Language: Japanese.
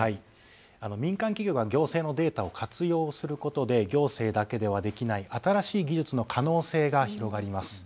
民間企業が行政のデータを活用することで行政だけではできない新しい技術の可能性が広がります。